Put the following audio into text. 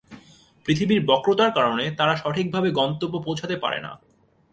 পৃথিবীর বক্রতার কারণে তারা সঠিকভাবে গন্তব্যে পৌঁছাতে পারে না।